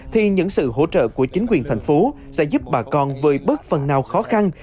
thì những sự hỗ trợ của chính quyền thành phố sẽ giúp bà con vơi bớt phần nào khó khăn